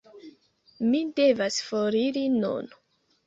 Mi devas foriri nun